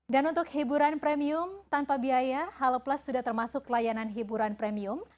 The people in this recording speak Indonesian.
dan untuk hiburan premium tanpa biaya halo plus sudah termasuk layanan hiburan premium